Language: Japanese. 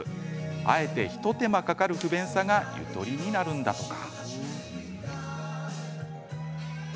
あえて一手間かかる不便さがゆとりになるんだとか。